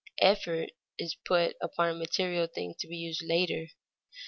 Effort is put upon a material thing to be used later.